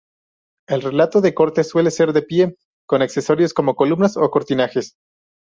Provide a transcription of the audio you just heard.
El retrato de corte suele ser de pie, con accesorios como columnas o cortinajes.